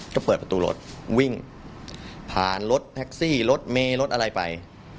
ก็เปิดประตูรถวิ่งพารถแท็กซี่แม่รถอะไรไป